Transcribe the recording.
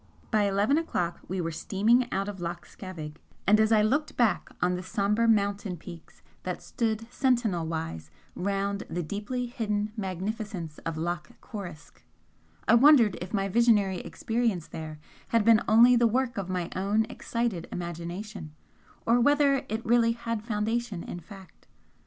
By eleven o'clock we were steaming out of Loch Scavaig, and as I looked back on the sombre mountain peaks that stood sentinel wise round the deeply hidden magnificence of Loch Coruisk, I wondered if my visionary experience there had been only the work of my own excited imagination, or whether it really had foundation in fact?